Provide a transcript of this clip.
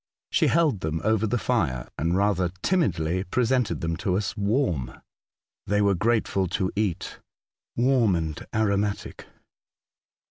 She held them over the fire, and rather timidly presented them to us warm. They were grateful to eat — warm and aromatic.